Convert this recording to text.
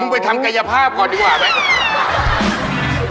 มึงไปทำกายภาพก่อนดีกว่าแบบนี้